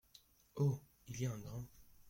Oh ! il y a un grain !